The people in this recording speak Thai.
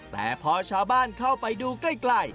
แต่พอชาวบ้านเข้าไปดูใกล้